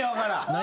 何？